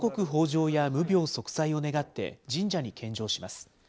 じょうや無病息災を願って神社に献上します。